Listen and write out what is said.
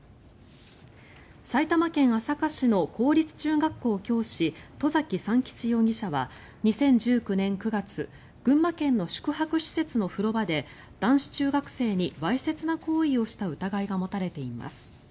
埼玉県朝霞市の公立中学校教師外崎三吉容疑者は２０１９年９月群馬県の宿泊施設の風呂場で男子中学生にわいせつな行為をした疑いが持たれています。